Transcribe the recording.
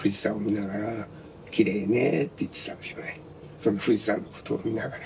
その富士山のことを見ながら。